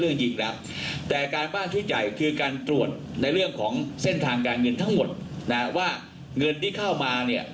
จริงแล้วแต่การบ้านชุดใหญ่คือการตรวจในเรื่องของเส้นทางการเงินทั้งหมดนะว่าเงินที่เข้ามาเนี่ย